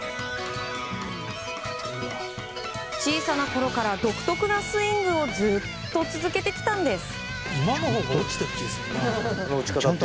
小さなころから独特なスイングをずっと続けてきたんです。